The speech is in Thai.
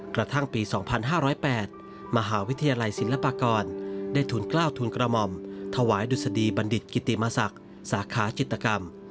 กระทั่งปี๒๕๐๘มหาวิทยาลัยศิลปากรได้ทุนกล้าวทุนกระหม่อมถวายดุษฎีบัณฑิตกิติมศักดิ์สาขาจิตกรรม